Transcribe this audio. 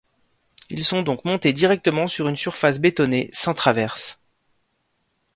Ils sont donc montés directement sur une surface bétonnée, sans traverses.